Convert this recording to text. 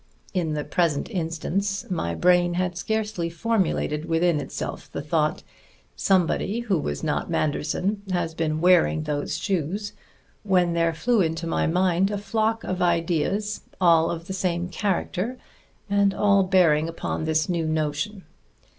In the present instance, my brain had scarcely formulated within itself the thought, 'Somebody who was not Manderson has been wearing those shoes,' when there flew into my mind a flock of ideas, all of the same character and all bearing upon this new notion.